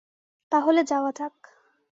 তাহলে যাওয়া যাক।